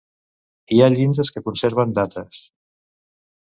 Hi ha llindes que conserven dates.